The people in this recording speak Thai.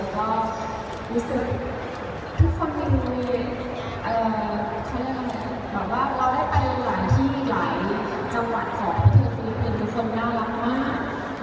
ก็รู้สึกทุกคนมีเอ่อเขาเรียกว่าไงแบบว่าเราได้ไปหลายที่หลายจังหวัดของผู้ที่คิดกินคือคนน่ารักมาก